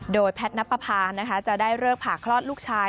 โดยแพทนัปภาจะได้เลิกผ่าคลอดลูกชาย